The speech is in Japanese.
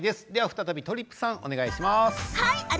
再びとりっぷさん、お願いします。